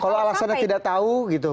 kalau alasannya tidak tahu gitu